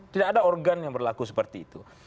tidak ada organ yang berlaku seperti itu